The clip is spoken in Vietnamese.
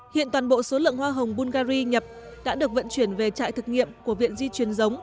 hiện toàn bộ số lượng hoa hồng bulgari nhập đã được vận chuyển về trại thực nghiệm của viện di truyền giống